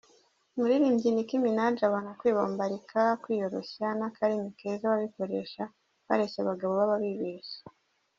Umuririmbyi Nicky Minaj abona kwibombarika, kwiyoroshya n’akarimi keza ababikoresha bareshya abagabo baba bibeshye.